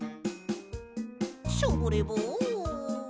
ショボレボン。